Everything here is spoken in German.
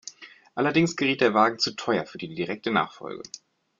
Allerdings geriet der Wagen zu teuer für die direkte Nachfolge.